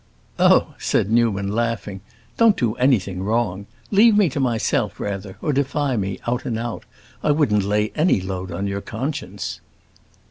"Oh," said Newman, laughing, "don't do anything wrong. Leave me to myself, rather, or defy me, out and out. I wouldn't lay any load on your conscience."